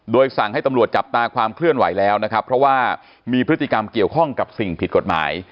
สั่งให้ตำรวจจับตาความเคลื่อนไหวแล้วนะครับเพราะว่ามีพฤติกรรมเกี่ยวข้องกับสิ่งผิดกฎหมาย